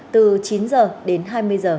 từ chín h đến hai mươi h